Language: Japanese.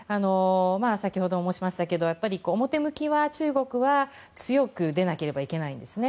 先ほど申しましたけど表向きは中国は強く出なければいけないんですね。